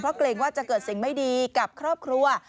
เกรงว่าจะเกิดสิ่งไม่ดีกับครอบครัว